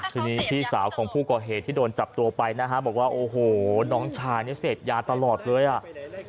ทีนี้พี่สาวของผู้ก่อเหตุที่โดนจับตัวไปนะฮะบอกว่าโอ้โหน้องชายเนี่ยเสพยาตลอดเลยอ่ะ